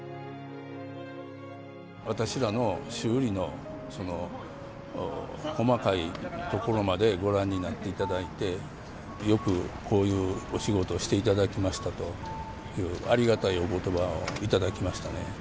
私らの修理のその細かいところまでご覧になっていただいて、よくこういうお仕事していただいたという、ありがたいおことばを頂きましたね。